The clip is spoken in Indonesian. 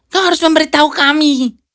kau harus memberitahu kami